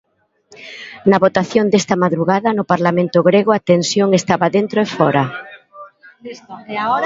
Na votación desta madrugada no Parlamento grego a tensión estaba dentro e fóra.